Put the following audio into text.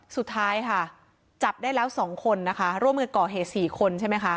สุดท้ายค่ะจับได้แล้ว๒คนนะคะร่วมกันก่อเหตุ๔คนใช่ไหมคะ